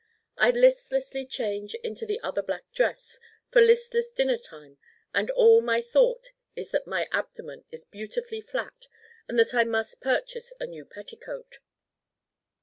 I listlessly change into the other black dress for listless dinnertime and all my thought is that my abdomen is beautifully flat and that I must purchase a new petticoat.